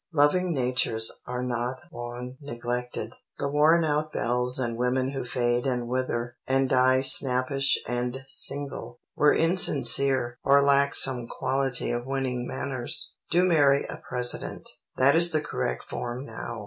Loving natures are not long neglected. The worn out belles and women who fade and wither, and die snappish and single, were insincere, or lacked some quality of winning manners. Do marry a President. That is the correct form now.